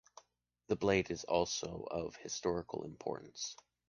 The blade is also of historical importance.